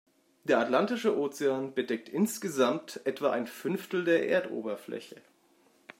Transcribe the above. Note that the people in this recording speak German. Der Atlantische Ozean bedeckt insgesamt etwa ein Fünftel der Erdoberfläche.